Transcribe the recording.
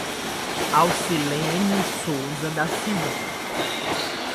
Alcilene Souza da Silva